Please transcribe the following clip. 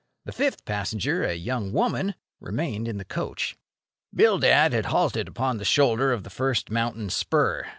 The fifth passenger, a young woman, remained in the coach. Bildad had halted upon the shoulder of the first mountain spur.